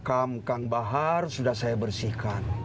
kam kam bahar sudah saya bersihkan